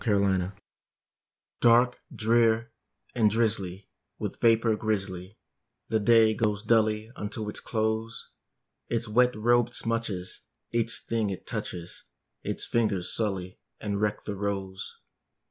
A WET DAY Dark, drear, and drizzly, with vapor grizzly, The day goes dully unto its close; Its wet robe smutches each thing it touches, Its fingers sully and wreck the rose.